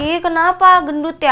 ih kenapa gendut ya